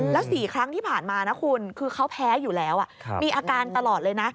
แล้ว๔ครั้งที่ผ่านมานะคุณคือเขาแพ้อยู่แล้วมีอาการตลอดเลยนะ